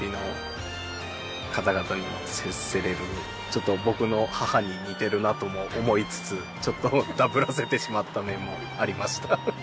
ちょっと僕の母に似ているなとも思いつつちょっとダブらせてしまった面もありました。